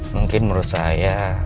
mungkin menurut saya